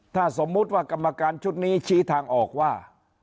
ถ้าสมมุติว่ากรรมการชุดนี้ชี้ทางออกว่า